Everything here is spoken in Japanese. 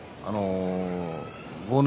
豪ノ